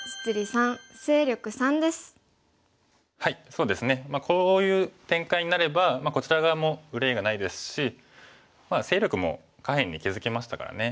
そうですねこういう展開になればこちら側も憂いがないですし勢力も下辺に築けましたからね